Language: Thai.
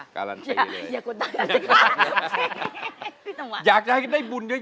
การันเตยเลย